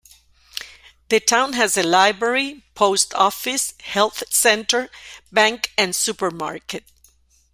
The town has a library, post office, health centre, bank and supermarket.